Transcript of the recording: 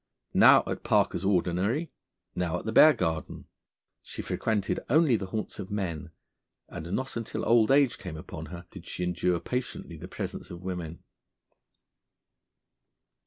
Now at Parker's Ordinary, now at the Bear Garden, she frequented only the haunts of men, and not until old age came upon her did she endure patiently the presence of women.